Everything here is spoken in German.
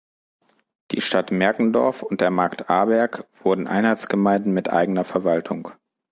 Die Stadt Merkendorf und der Markt Arberg wurden Einheitsgemeinden mit eigener Verwaltung.